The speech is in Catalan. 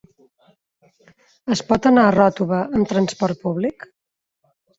Es pot anar a Ròtova amb transport públic?